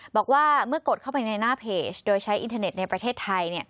บอกว่าเมื่อกดเข้าไปในหน้าเพจโดยใช้อินเทอร์เน็ตในประเทศไทย